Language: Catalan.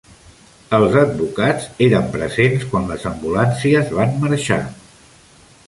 Els advocats eren presents quan les ambulàncies van marxar.